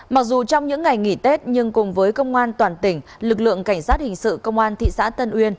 mặc dù trong những ngày nghỉ tết nhưng cùng với công an toàn tỉnh lực lượng cảnh sát hình sự công an thị xã tân uyên